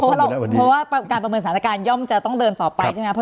เพราะว่าการประเมินสถานการณ์ย่อมจะต้องเดินต่อไปใช่ไหม